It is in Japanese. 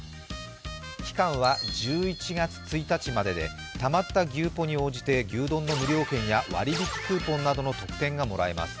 期間は１１月１日まででたまった牛ポに応じて牛丼の無料券や割り引きクーポンなどの特典がもらえます。